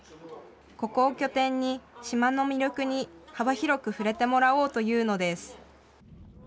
ここを拠点に島の魅力に幅広く触れてもらおうというのです。